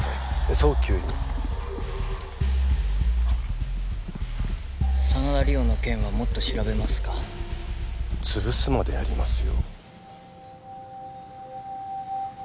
早急に真田梨央の件はもっと調べますか潰すまでやりますよ